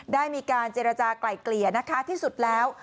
ได้มีการเจรจากลายเกลี่ยนะคะที่สุดแล้ว